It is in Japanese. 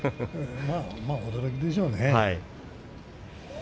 驚きでしょうね。